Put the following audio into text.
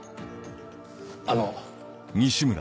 あの。